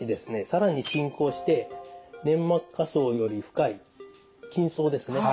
更に進行して粘膜下層より深い筋層ですね。